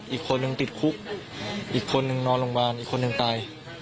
อีกคนนึงติดคุกอีกคนนึงนอนโรงพยาบาลอีกคนนึงตาย